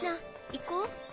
行こう。